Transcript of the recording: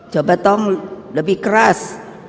coba lebih keras